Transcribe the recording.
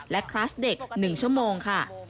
และคลาสเด็ก๑ชั่วโมงค่ะ